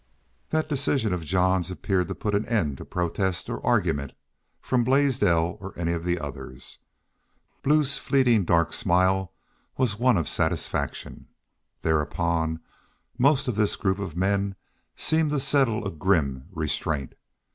That decision of Jean's appeared to put an end to protest or argument from Blaisdell or any of the others. Blue's fleeting dark smile was one of satisfaction. Then upon most of this group of men seemed to settle a grim restraint.